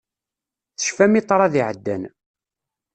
Tecfam i ṭṭrad iɛeddan.